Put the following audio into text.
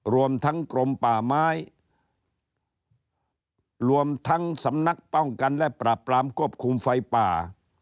รวมทั้งกรมป่าไม้รวมทั้งสำนักป้องกันและปราบปรามควบคุมไฟป่า